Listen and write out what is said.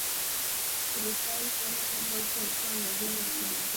Tulifurahi kuona kwamba mtu alikuwa amejaa wasambazaji